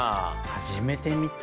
初めて見た。